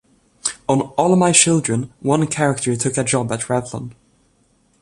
On "All My Children" one character took a job at Revlon.